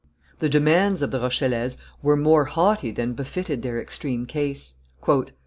The demands of the Rochellese were more haughty than befitted their extreme case.